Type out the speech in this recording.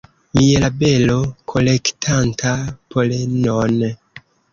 Mielabelo kolektanta polenon.